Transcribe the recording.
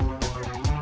kamu kempen ya hier